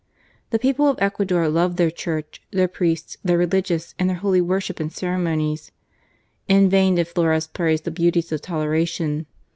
The people of Ecuador loved their Church, their priests, their religious, and their holy worship and cere monies. In vain did Flores praise the beauties of toleration.